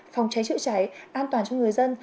phòng cháy chữa cháy an toàn cho người dân